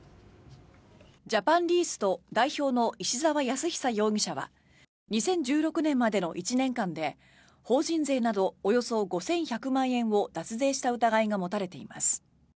ジャパンリースと代表の石澤靖久容疑者は２０１６年までの１年間で法人税などおよそ５１００万円を脱税した疑いが持たれています。